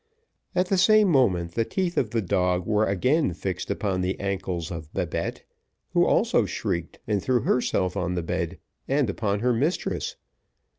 At the same moment the teeth of the dog were again fixed upon the ankles of Babette, who also shrieked, and threw herself on the bed, and upon her mistress.